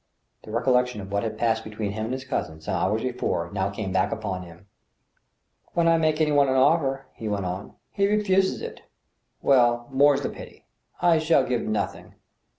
The recollection of what had passed between him and his cousin, some hours before, now came back upon him. When I make any one an offer," he went on, " he refuses it. Well ! more's the pity. ... I shall give nothing.